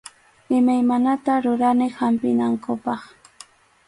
Imaymanata rurani hampinankupaq.